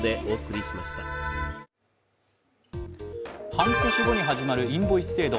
半年後に始まるインボイス制度。